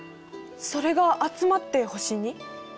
それが集まって星に？